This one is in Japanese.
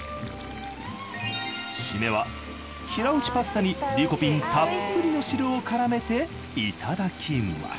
締めは平打ちパスタにリコピンたっぷりの汁をからめていただきます